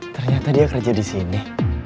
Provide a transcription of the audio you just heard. ternyata dia kerja disini